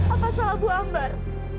apa salah bu ambar